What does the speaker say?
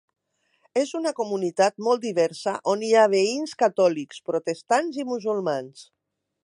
És una comunitat molt diversa, on hi ha veïns catòlics, protestants i musulmans.